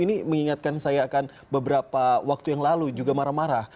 ini mengingatkan saya akan beberapa waktu yang lalu juga marah marah